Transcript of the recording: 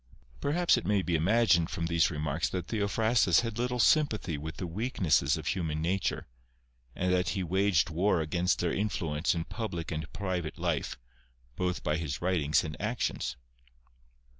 Perhaps it may be imagined from these remarks that Theophrastus had little sympathy with the weaknesses of human nature, and that he waged war against their influ ence in public and private life, both by his writings and actions.